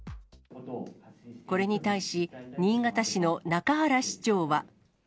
これに対し、新潟市の中原市長は。